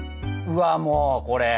うわもうこれ。